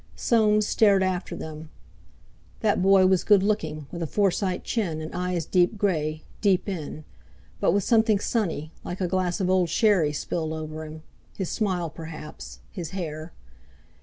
Soames stared after them. That boy was good looking, with a Forsyte chin, and eyes deep grey, deep in; but with something sunny, like a glass of old sherry spilled over him; his smile perhaps, his hair.